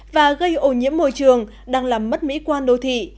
và gây ổ nhiễm môi trường đang làm mất mỹ quan đô thị